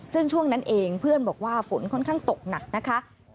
ซึ่งช่วงนั้นเองเพื่อนบอกว่าฝนค่อนข้างตกหนักนะคะ